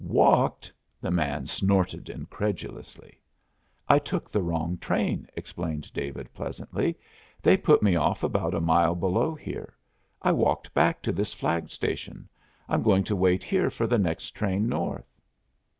"Walked?" the man snorted incredulously. "I took the wrong train," explained David pleasantly. "They put me off about a mile below here. I walked back to this flag station. I'm going to wait here for the next train north."